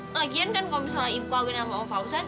lagian kan kalau misalnya ibu kawin sama fauzan